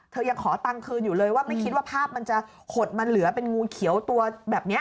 ยังขอตังค์คืนอยู่เลยว่าไม่คิดว่าภาพมันจะหดมันเหลือเป็นงูเขียวตัวแบบนี้